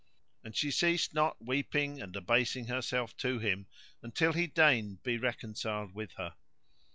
And she ceased not weeping and abasing herself to him until he deigned be reconciled with her.